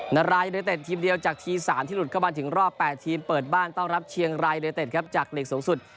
นาราเลเตธทีมเดียวจากที๓ที่หลุดเข้ามาถึงรอบ๘ทีมเปิดบ้านต้องรับเชียงรายเลเตธจากเลข๒สุด